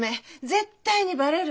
絶対にバレる。